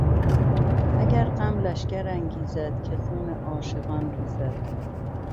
اگر غم لشکر انگیزد که خون عاشقان ریزد...